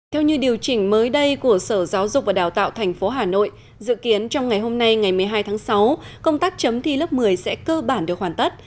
theo như điều chỉnh mới đây của sở giáo dục và đào tạo tp hà nội dự kiến trong ngày hôm nay ngày một mươi hai tháng sáu công tác chấm thi lớp một mươi sẽ cơ bản được hoàn tất